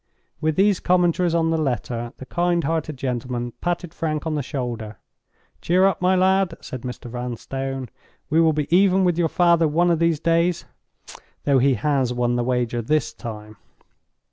With these commentaries on the letter, the kind hearted gentleman patted Frank on the shoulder. "Cheer up, my lad!" said Mr. Vanstone. "We will be even with your father one of these days, though he has won the wager this time!"